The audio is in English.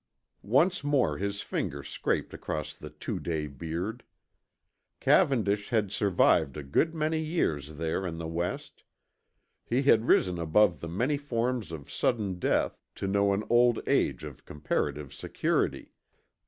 Once more his finger scraped across the two day beard. Cavendish had survived a good many years there in the West. He had risen above the many forms of sudden death, to know an old age of comparative security.